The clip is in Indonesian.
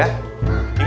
mubazir itu perbuatan se